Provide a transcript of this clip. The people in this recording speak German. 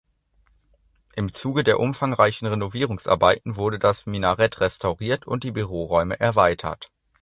Im Zuge der umfangreichen Renovierungsarbeiten wurde das Minarett restauriert und die Büroräume erweitert.